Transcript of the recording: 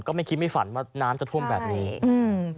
ไม่คิดไม่ฝันว่าน้ำจะท่วมแบบนี้อืม